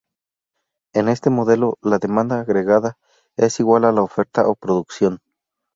En este modelo, la demanda agregada es igual a la oferta o producción.